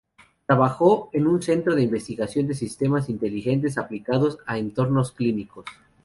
Trabajó en un centro de investigación de sistemas inteligentes aplicados a entornos clínicos.